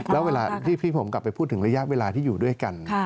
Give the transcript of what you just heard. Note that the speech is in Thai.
แล้วเวลาที่พี่ผมกลับไปพูดถึงระยะเวลาที่อยู่ด้วยกัน